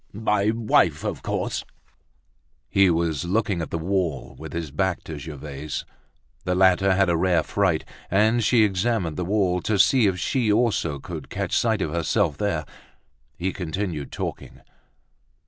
"My wife, of course!" He was looking at the wall, with his back to Gervaise. The latter had a rare fright, and she examined the wall, to see if she also could catch sight of herself there. He continued talking.